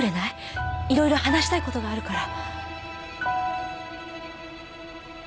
色々話したいことがあるから。